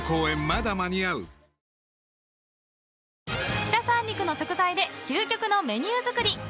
北三陸の食材で究極のメニュー作り。